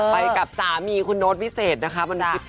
ไปกับสามีคุณโน้ตวิเศษนะคะ